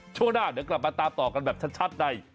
ช่วงหน้าเดี๋ยวกลับมาตามต่อกันแบบชัดใน